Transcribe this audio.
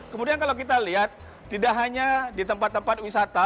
kemudian kalau kita lihat tidak hanya di tempat tempat wisata